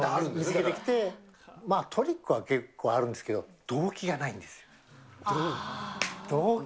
出てきて、トリックは結構あるんですけど、動機がないんですよ。